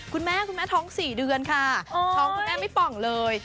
คุณแม่คุณแม่ท้อง๔เดือนค่ะท้องคุณแม่ไม่ป่องเลย